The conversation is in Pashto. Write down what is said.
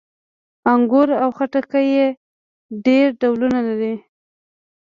انګور او خټکي یې ډېر ډولونه لري.